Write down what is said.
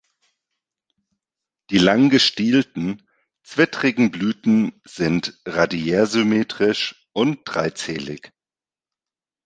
Die lang gestielten, zwittrigen Blüten sind radiärsymmetrisch und dreizählig.